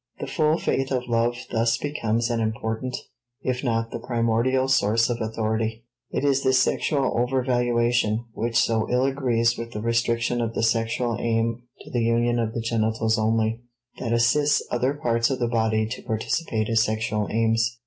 The full faith of love thus becomes an important, if not the primordial source of authority. It is this sexual overvaluation, which so ill agrees with the restriction of the sexual aim to the union of the genitals only, that assists other parts of the body to participate as sexual aims.